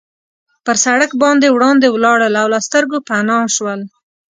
پر سړک باندې وړاندې ولاړل او له سترګو پناه شول.